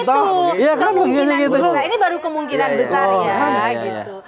kemungkinan besar ini baru kemungkinan besarnya